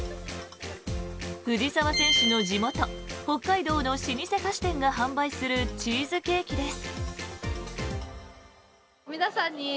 藤澤選手の地元・北海道の老舗菓子店が販売するチーズケーキです。